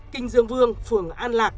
kinh dương vương phường an lạc